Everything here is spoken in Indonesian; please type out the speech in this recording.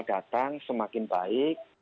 datang semakin baik